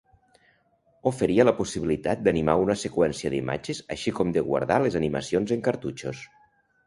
Oferia la possibilitat d'animar una seqüència d'imatges així com de guardar les animacions en cartutxos.